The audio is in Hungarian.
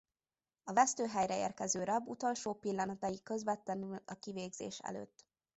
A vesztőhelyre érkező rab utolsó pillanatai közvetlenül a kivégzés előtt.